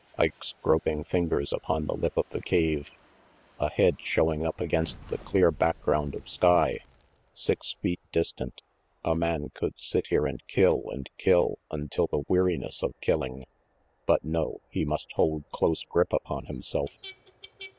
Ike's groping fingers upon the lip of the cave. A head showing up against the clear back ground of sky. Six feet distant. A man could sit here and kill and kill until the weariness of killing But no, he must hold close grip upon himself.